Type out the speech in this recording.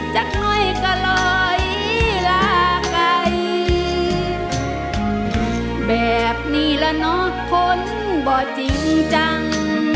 จากน้อยก็ลอยลาไกลแบบนี้ละเนอะคนบ่จริงจัง